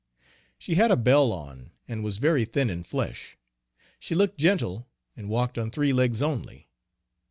She had a bell on and was very thin in flesh; she looked gentle and walked on three legs only.